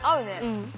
うん。